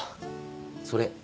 それ。